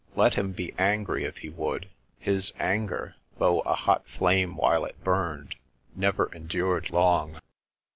Let him be angry if he would. His anger, though a hot flame while it burned, never en dured long.